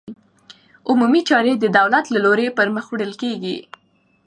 عمومي چارې د دولت له لوري پرمخ وړل کېږي.